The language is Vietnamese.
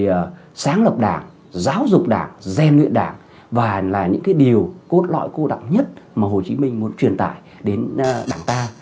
một người sáng lập đảng giáo dục đảng gieo luyện đảng và là những cái điều cốt lõi cô đẳng nhất mà hồ chí minh muốn truyền tải đến đảng ta